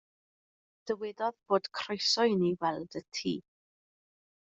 Dywedodd fod croeso inni weld y tŷ.